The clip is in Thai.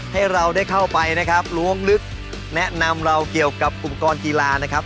ให้เราได้เข้าไปนะครับล้วงลึกแนะนำเราเกี่ยวกับอุปกรณ์กีฬานะครับ